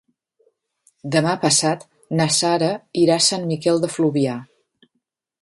Demà passat na Sara irà a Sant Miquel de Fluvià.